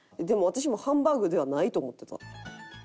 でも私もハンバーグではないと思ってた。